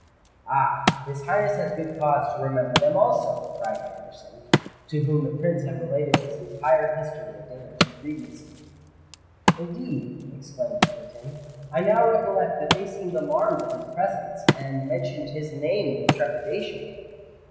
"Ah! his Highness has good cause to remember them also!" cried Anderson, to whom the Prince had related his entire history a day or two previously. "Indeed," exclaimed Egerton, "I now recollect that they seemed alarmed at his presence, and mentioned his name with trepidation."